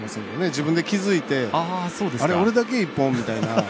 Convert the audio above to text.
自分で気付いてあれ、俺だけ１本？みたいな。